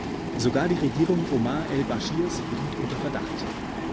Sogar die Regierung Omar El Bashirs geriet unter Verdacht.